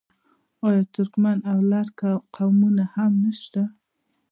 آیا ترکمن او لر قومونه هم نشته؟